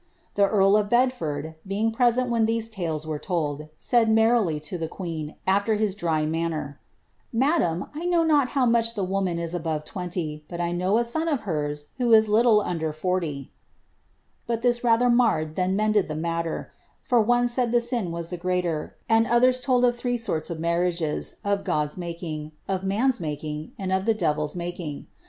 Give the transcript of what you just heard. The earl of Bedford being present when these tales were told, said merrily to the queen, aAer his dry manner, ^^ Madame, 1 know not how much the woman is above twenty, but I know a son of hers who is little under forty ;" but this rather marred than mended the matter, foi ooe said the sin was the greater, and others told of three sorts of mar riages, of God's making, of man's making, and of the devil's making.